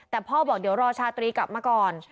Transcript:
แต่พ่อบอกเดี๋ยวรอชาตรีกลับมาก่อน